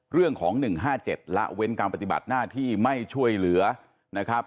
เรื่องของ๑๕๗ละเว้นการปฏิบัติหน้าที่ไม่ช่วยเหลือนะครับ